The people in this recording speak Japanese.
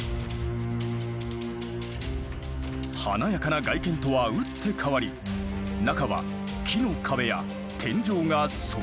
華やかな外見とは打って変わり中は木の壁や天井がそのままに。